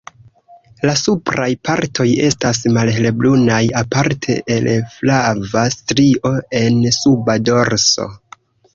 La supraj partoj estas malhelbrunaj aparte el flava strio en suba dorso.